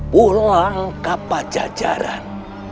pulang kapal jajaran